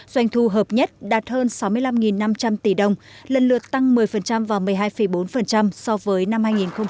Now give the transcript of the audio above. doanh thu hợp nhất đạt hơn sáu mươi năm năm trăm linh tỷ đồng lần lượt tăng một mươi và một mươi hai bốn so với năm hai nghìn một mươi bảy